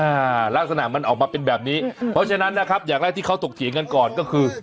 อ่าลักษณะมันออกมาเป็นแบบนี้เพราะฉะนั้นนะครับอย่างแรกที่เขาถกเถียงกันก่อนก็คือ